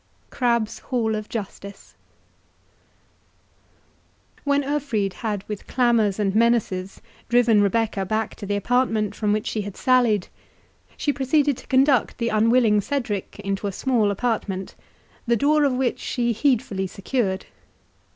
CRABBE'S HALL OF JUSTICE When Urfried had with clamours and menaces driven Rebecca back to the apartment from which she had sallied, she proceeded to conduct the unwilling Cedric into a small apartment, the door of which she heedfully secured.